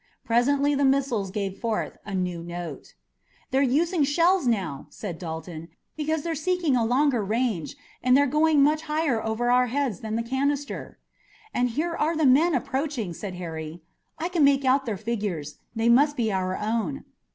Presently the missiles gave forth a new note. "They're using shells now," said Dalton, "because they're seeking a longer range, and they're going much higher over our heads than the canister." "And here are men approaching," said Harry. "I can make out their figures. They must be our own."